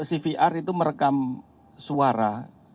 cvr itu merekam suara